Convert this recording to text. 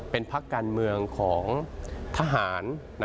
เป็นพักการเมืองของทหาร